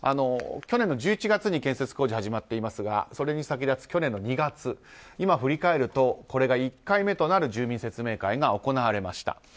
去年の１１月に建設工事が始まっていますがそれに先立つ去年の２月今振り返るとこれが１回目となる住民説明会が行われました。